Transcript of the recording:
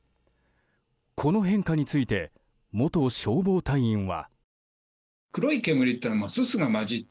この変化について元消防隊員は。